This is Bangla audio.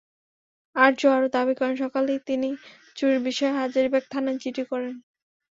আরজু আরও দাবি করেন, সকালেই তিনি চুরির বিষয়ে হাজারীবাগ থানায় জিডি করেন।